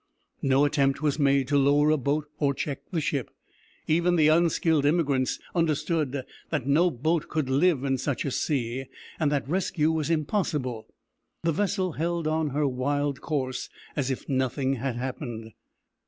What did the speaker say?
No attempt was made to lower a boat or check the ship. Even the unskilled emigrants understood that no boat could live in such a sea, and that rescue was impossible. The vessel held on her wild course as if nothing had happened.